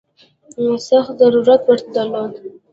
سخت ضرورت ورته درلود.